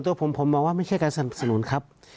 ตัวผมผมมองว่าไม่ใช่การสนับสนุนครับ